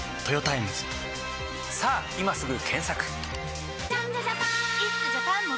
さぁ今すぐ検索！